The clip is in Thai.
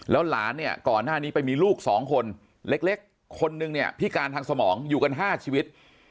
หลานเนี่ยก่อนหน้านี้ไปมีลูก๒คนเล็กคนนึงเนี่ยพิการทางสมองอยู่กัน๕ชีวิต